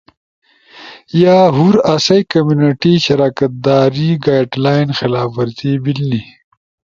یا ہور آسئی کمیونٹی شراکت داری گائیڈلائن خلاف ورزی بیلنی